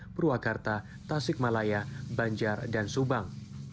purwakarta tasikmalaya banjar dan subang